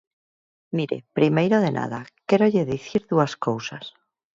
Mire, primeiro de nada, quérolle dicir dúas cousas.